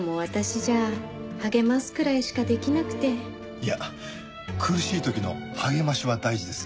いや苦しい時の励ましは大事です。